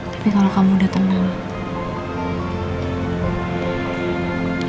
tapi kalau kamu datang nanti